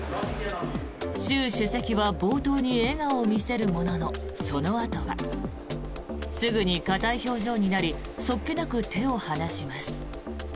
習主席は冒頭に笑顔を見せるもののそのあとはすぐに硬い表情になり素っ気なく手を放します。